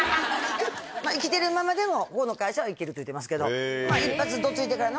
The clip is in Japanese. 生きてるままでもここの会社は行けるって言うてますけど。